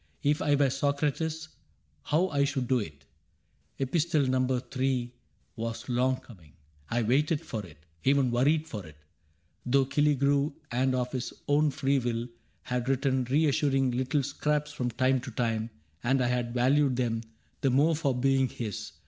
If I were Socrates, how I should do it !" Epistle Number Three was longer coming. I waited for it, even worried for it — Though Killigrew, and of his own free will, Had written reassuring little scraps From time to time, and I had valued them The more for being his.